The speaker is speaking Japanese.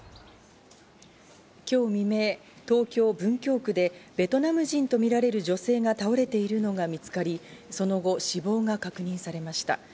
今日未明、東京・文京区でベトナム人とみられる女性が倒れているのが見つかり、その後、死亡が確認されました。